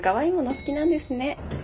お好きなんですね。